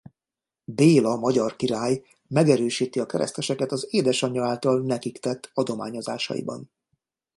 Béla magyar király megerősíti a kereszteseket az édesanyja által nekik tett adományozásaiban.